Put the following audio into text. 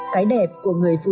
cái đẹp của người phụ nữ